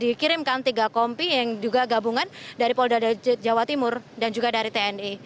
dikirimkan tiga kompi yang juga gabungan dari polda jawa timur dan juga dari tni